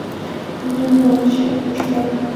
— Нуно ончен куштат.